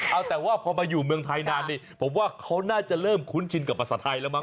เอาแต่ว่าพอมาอยู่เมืองไทยนานนี่ผมว่าเขาน่าจะเริ่มคุ้นชินกับภาษาไทยแล้วมั้